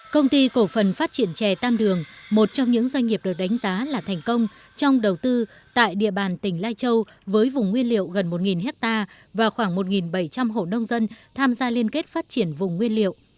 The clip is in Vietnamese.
công ty cổ phần phát triển chè tam đường một trong những doanh nghiệp được đánh giá là thành công trong đầu tư tại địa bàn tỉnh lai châu với vùng nguyên liệu gần một hectare và khoảng một bảy trăm linh hộ nông dân tham gia liên kết phát triển vùng nguyên liệu